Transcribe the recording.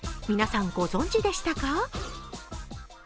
皆さん、ご存じでしたか？